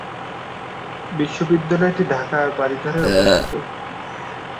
বিশ্ববিদ্যালয়টি ঢাকার বারিধারায় অবস্থিত।